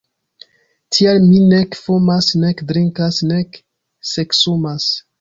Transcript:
Tial mi nek fumas nek drinkas nek seksumas!